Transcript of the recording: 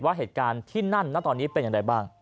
ว่าเหตุการณ์ที่นั่นนะตอนนี้เป็นอย่างไรบ้าง